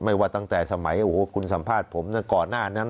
ไม่ว่าตั้งแต่สมัยคุณสัมภาษณ์ผมก่อนหน้านั้น